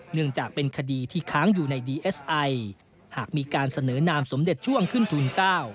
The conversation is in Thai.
เนื่องจากเป็นคดีที่ค้างอยู่ในดีเอสไอหากมีการเสนอนามสมเด็จช่วงขึ้นทูล๙